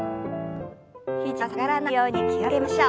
肘が下がらないように気を付けましょう。